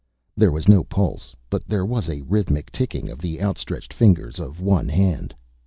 _ There was no pulse, but there was a rhythmic ticking of the outstretched fingers of one hand.